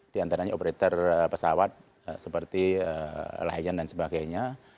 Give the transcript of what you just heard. di antaranya operator pesawat seperti lion dan sebagainya